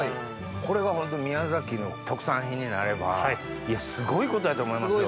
これがホント宮崎の特産品になればすごいことやと思いますよ。